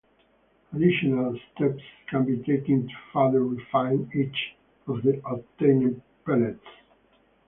Additional steps can be taken to further refine each of the obtained pellets.